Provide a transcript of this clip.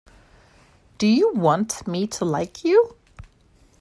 Do you want me to like you?